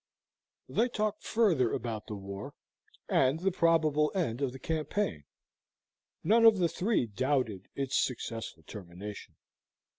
They talked further about the war, and the probable end of the campaign: none of the three doubted its successful termination.